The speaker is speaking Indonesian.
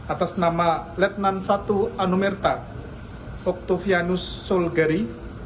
atas nama letnan satu anumerta octavianus sogalare